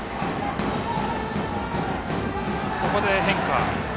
ここで変化。